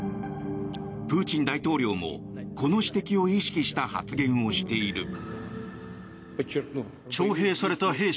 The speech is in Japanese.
プーチン大統領もこの指摘を意識した発言をしている。